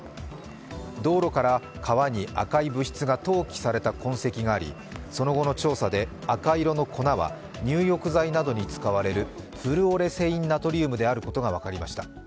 道路から川に赤い物質が投棄された痕跡がありその後の調査で、赤色の粉は入浴剤などに使われるフルオレセインナトリウムであることが分かりました。